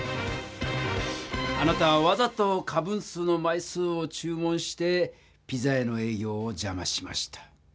あなたはわざと仮分数の枚数を注文してピザ屋のえい業をじゃましました。